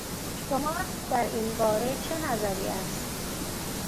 شما را در این باره چه نظری است؟